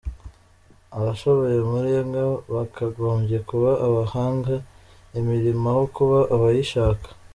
Abashoboye muri mwe, bakagombye kuba abahanga imirimo, aho kuba abayishaka.